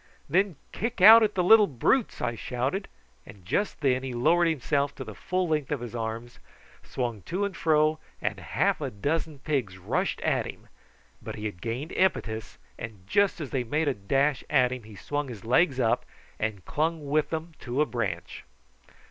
"Then kick out at the little brutes," I shouted; and just then he lowered himself to the full length of his arms, swung to and fro, and half a dozen pigs rushed at him, but he had gained impetus, and just as they made a dash at him he swung his legs up, and clung with them to a branch.